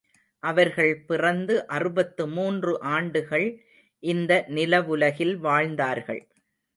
அவர்கள் பிறந்து அறுபத்து மூன்று ஆண்டுகள் இந்த நிலவுலகில் வாழ்ந்தார்கள்.